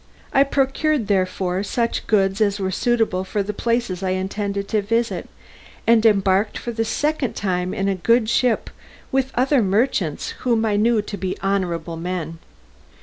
I procured, therefore, such goods as were suitable for the places I intended to visit, and embarked for the second time in a good ship with other merchants whom I knew to be honourable men.